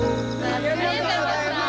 おめでとうございます。